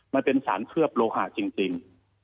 มันเป็นสารเคลือบโลหะจริง